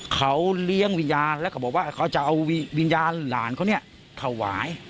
เขาเลี้ยงวิญญาณแล้วก็บอกว่าเขาจะเอาวิญญาณหลานเขาเนี่ยถวาย